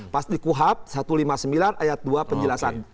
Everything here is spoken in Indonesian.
pasti kuhab satu ratus lima puluh sembilan ayat dua penjelasan